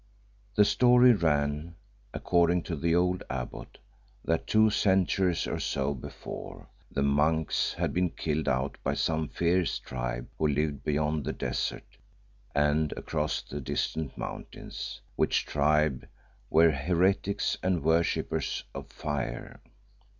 The story ran, according to the old abbot, that two centuries or so before, the monks had been killed out by some fierce tribe who lived beyond the desert and across the distant mountains, which tribe were heretics and worshippers of fire.